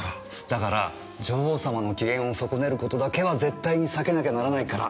だから女王様の機嫌を損ねる事だけは絶対に避けなきゃならないから。